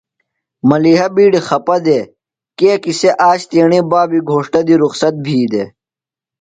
ملِیحہ بِیڈیۡ خپہ دےۡ کیکیۡ سےۡ آج تیݨی بابی گھوݜٹہ دی رخصت بھی دےۡ۔